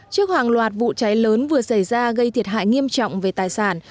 trước hàng loạt vụ cháy lớn vừa xảy ra gây thiệt hại nghiêm trọng về tài sản